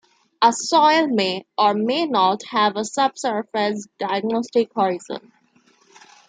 A soil may or may not have a subsurface diagnostic horizon.